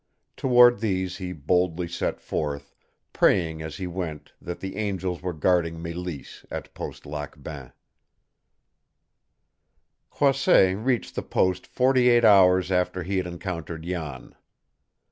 Toward these he boldly set forth, praying as he went that the angels were guarding Mélisse at Post Lac Bain. Croisset reached the post forty eight hours after he had encountered Jan.